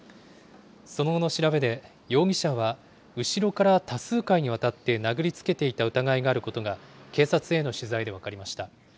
その後の調べで、容疑者は後ろから多数回にわたって殴りつけていた疑いがあることが、警察への取材で分かりました。